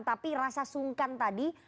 tapi rasa sungkan tadi